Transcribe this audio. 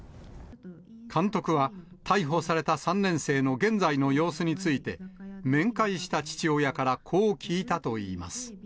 監督は、逮捕された３年生の現在の様子について、面会した父親からこう聞いたといいます。